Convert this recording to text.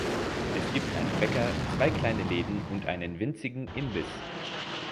Es gibt einen Bäcker, zwei kleine Läden und einen winzigen Imbiss.